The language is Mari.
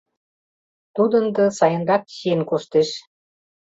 Тудо ынде сайынрак чиен коштеш.